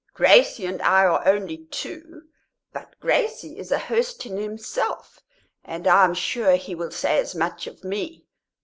Gracie and I are only two, but Gracie is a host in himself, and I am sure he will say as much of me."